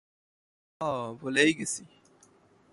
অও, ভুলেই গেছি।